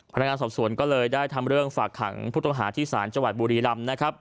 พนักงานสอบสวนก็เลยได้ทำเรื่องฝากขังผู้ต้องหาที่ศาลจังหวัดบุรีรำนะครับ